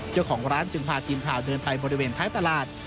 เจ้าของร้านจึงพาทีมข่าวเดินไปบริเวณท้ายตลาด